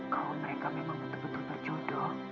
kalau mereka memang betul betul berjodoh